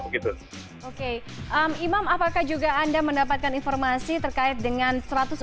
oke imam apakah juga anda mendapatkan informasi terkait dengan satu ratus enam puluh